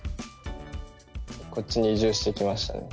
こっちに移住してきましたね。